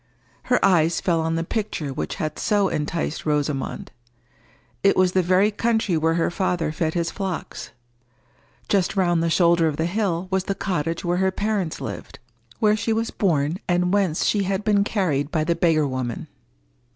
Her eyes fell on the picture which had so enticed Rosamond. It was the very country where her father fed his flocks. Just round the shoulder of the hill was the cottage where her parents lived, where she was born and whence she had been carried by the beggar woman.